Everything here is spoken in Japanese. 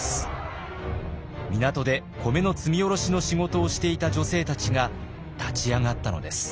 港で米の積み降ろしの仕事をしていた女性たちが立ち上がったのです。